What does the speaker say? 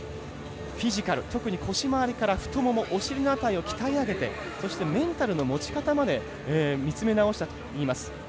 フィジカル特に腰周りから太ももお尻のあたりを鍛え上げてメンタルの持ち方まで見つめ直したといいます。